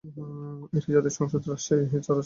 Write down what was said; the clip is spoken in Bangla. এটি জাতীয় সংসদের রাজশাহী চার আসন নামে পরিচিত।